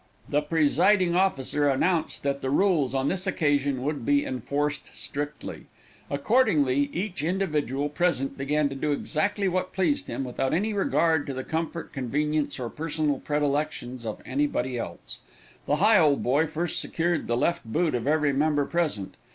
The presiding officer announced that the rules on this occasion would be enforced strictly. Accordingly, each individual present began to do exactly what pleased him, without any regard to the comfort, convenience, or personal predilections of anybody else. The Higholdboy first secured the left boot of every member present.